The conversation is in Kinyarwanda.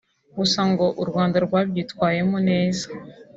gusa ngo u Rwanda rwabyitwayemo neza